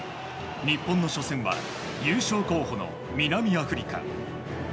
日本の初戦は優勝候補の南アフリカ。